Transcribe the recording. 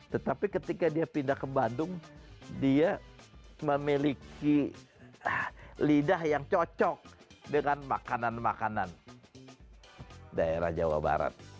tetapi ketika dia pindah ke bandung dia memiliki lidah yang cocok dengan makanan makanan daerah jawa barat